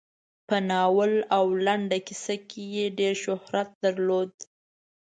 په ناول او لنډه کیسه کې یې ډېر شهرت درلود.